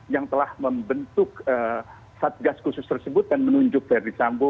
yang telah membentuk satgas khusus tersebut dan menunjuk verdi sambo